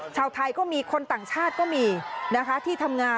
ชาวไทยก็มีคนต่างชาติก็มีนะคะที่ทำงาน